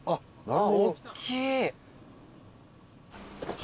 おっきい。